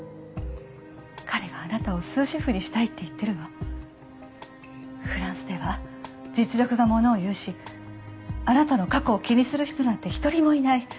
彼があなたをスーシェフにしたいってフランスでは実力がものを言うしあなたの過去を気にする人なんて１人もいない。